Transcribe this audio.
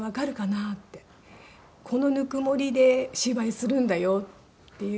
「このぬくもりで芝居するんだよ」っていう